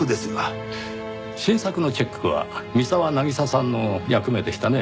新作のチェックは三澤渚さんの役目でしたね。